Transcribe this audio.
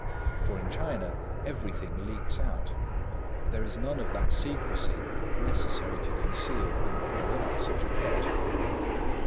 For in China everything leaks out. There is none of that secrecy necessary to conceal and carry out such a plot.